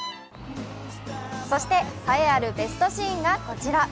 そして栄えあるベストシーンがこちら。